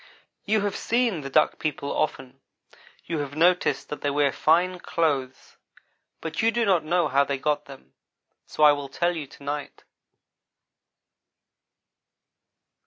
"You have seen the Duck people often. You have noticed that they wear fine clothes but you do not know how they got them; so I will tell you to night.